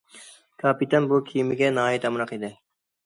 كاپىتان بۇ كېمىگە ناھايىتى ئامراق ئىدى.